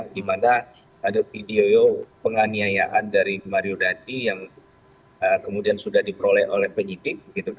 dimana ada video penganiayaan dari mario dadi yang kemudian sudah diperoleh oleh penyidik